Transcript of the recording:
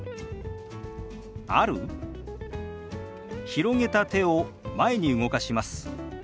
広げた手を前に動かします。